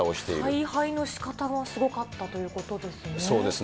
采配のしかたがすごかったとそうですね。